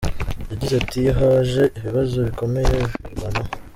Yagize ati “Iyo haje ibibazo bikomeye, wirwanaho.